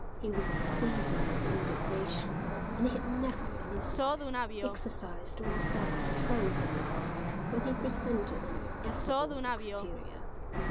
He was seething with indignation, and he had never in his life exercised more self control than now when he presented an affable exterior.